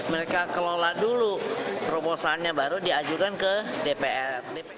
mereka kelola dulu rumusannya baru diajukan ke dpr